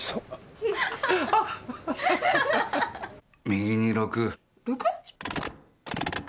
右に６。